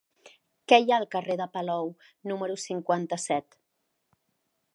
Què hi ha al carrer de Palou número cinquanta-set?